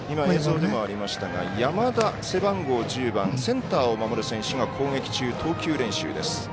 映像でもありましたが山田、背番号１０番センターを守る選手が攻撃中、投球練習です。